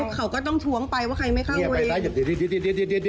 เขาก็ต้องท้วงไปว่าใครไม่เข้าใคร